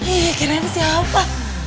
ih kirain siapa